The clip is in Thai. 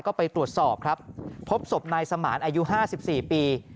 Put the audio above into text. ก็ไปตรวจสอบครับพบศพนายสมานอายุ๕๔ปี